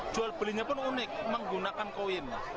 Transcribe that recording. jual belinya pun unik menggunakan koin